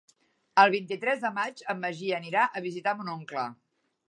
El vint-i-tres de maig en Magí anirà a visitar mon oncle.